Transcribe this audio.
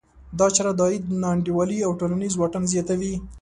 دا چاره د عاید نا انډولي او ټولنیز واټن زیاتوي.